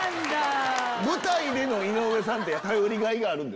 舞台での井上さんって頼りがいがあるんですか？